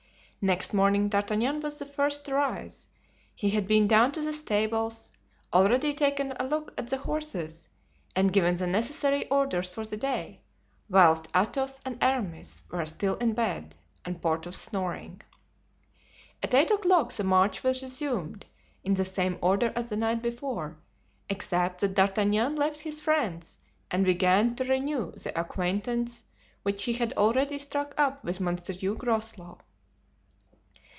Next morning D'Artagnan was the first to rise. He had been down to the stables, already taken a look at the horses and given the necessary orders for the day, whilst Athos and Aramis were still in bed and Porthos snoring. At eight o'clock the march was resumed in the same order as the night before, except that D'Artagnan left his friends and began to renew the acquaintance which he had already struck up with Monsieur Groslow.